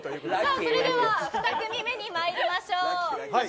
それでは２組目にまいりましょう。